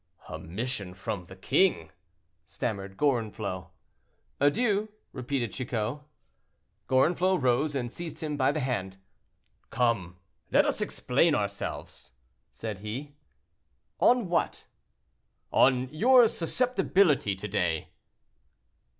"A mission from the king!" stammered Gorenflot. "Adieu," repeated Chicot. Gorenflot rose, and seized him by the hand. "Come! let us explain ourselves," said he. "On what?" "On your susceptibility to day."